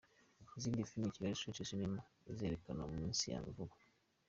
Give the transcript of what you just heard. Izindi Filime Kigali Century Cinema izerekana mu minsi ya vuba.